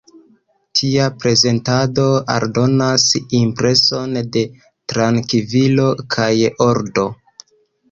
Tia prezentado aldonas impreson de trankvilo kaj ordo.